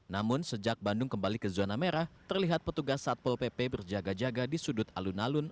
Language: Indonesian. namun sejak bandung kembali ke zona merah terlihat petugas satpol pp berjaga jaga di sudut alun alun